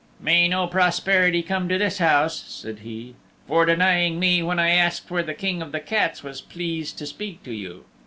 "May no prosperity come to this house," said he, "for denying me when I asked where the King of the Cats was pleased to speak to you."